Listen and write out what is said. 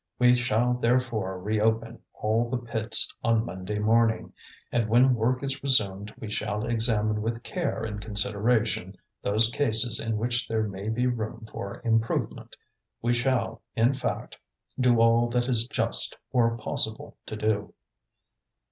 We shall therefore reopen all the pits on Monday morning, and when work is resumed we shall examine with care and consideration those cases in which there may be room for improvement. We shall, in fact, do all that is just or possible to do."